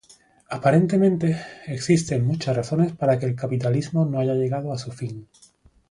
Aparentemente, existen muchas razones para que el capitalismo no haya llegado a su fin.